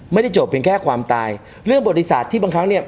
ไม่ได้จบเพียงแค่ความตายเรื่องบริษัทที่บางครั้งเนี่ย